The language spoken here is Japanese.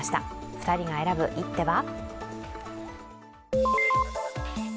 ２人が選ぶ一手は？